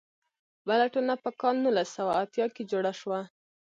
بله ټولنه په کال نولس سوه اتیا کې جوړه شوه.